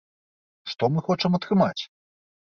Што мы хочам атрымаць?